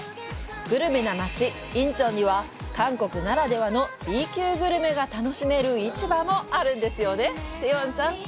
グルメな街・仁川には、韓国ならではのＢ級グルメが楽しめる市場もあるんですよね、セヨンちゃん！